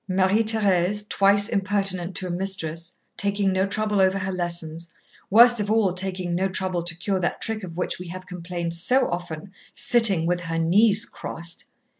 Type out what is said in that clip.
Marie Thérèse, twice impertinent to a mistress, taking no trouble over her lessons, worst of all, taking no trouble to cure that trick of which we have complained so often sitting with her knees crossed.